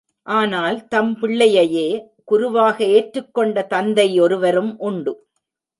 ஆனால் தம் பிள்ளையையே குருவாக ஏற்றுக் கொண்ட தந்தை ஒருவரும் உண்டு.